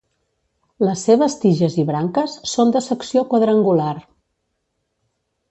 Les seves tiges i branques són de secció quadrangular.